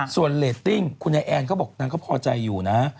ส่วนเรตติ้งคุณยายแอนเขาบอกนางก็พอใจอยู่นะ